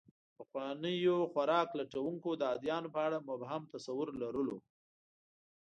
د پخوانیو خوراک لټونکو د ادیانو په اړه مبهم تصور لرو.